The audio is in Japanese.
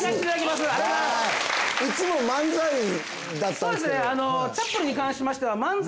そうですね。